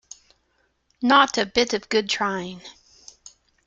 Not a bit of good trying.